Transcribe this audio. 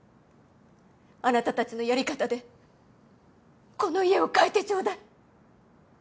あなたたちのやり方でこの家を変えてちょうだい。